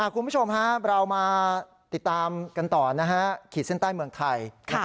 คุณผู้ชมเรามาติดตามกันต่อขีดเส้นใต้เมืองไทย